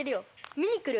見に来る？